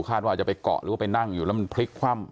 ว่าจะไปเกาะหรือว่าไปนั่งอยู่แล้วมันพลิกคว่ำ